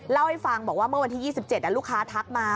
เล่าให้ฟังบอกว่าเมื่อวันที่๒๗ลูกค้าทักมา